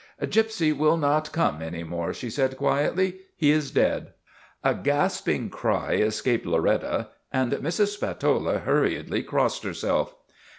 " Gypsy will not come any more," she said quietly. " He is dead." A gasping cry escaped Loretta, and Mrs. Spatola hurriedly crossed herself.